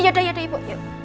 ya udah ya udah ibu